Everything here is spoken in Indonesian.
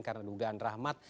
karena dugaan rahmat